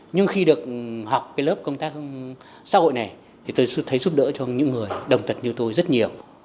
nhưng khi được học cái lớp công tác xã hội này thì tôi thấy giúp đỡ cho những người đồng tật như tôi rất nhiều